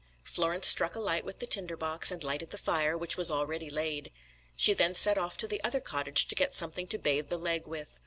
Florence struck a light with the tinder box, and lighted the fire, which was already laid. She then set off to the other cottage to get something to bathe the leg with.